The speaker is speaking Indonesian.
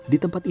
di tempat ini